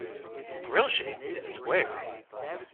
Grill shape is square.